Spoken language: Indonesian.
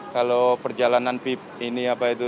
kalau perjalanan ini apa itu